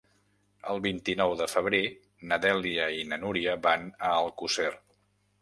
El vint-i-nou de febrer na Dèlia i na Núria van a Alcosser.